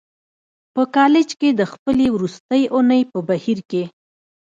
په کالج کې د خپلې وروستۍ اونۍ په بهير کې.